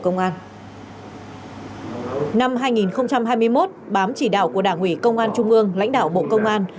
năm hai nghìn hai mươi một bám chỉ đạo của đảng ủy công an trung ương lãnh đạo bộ công an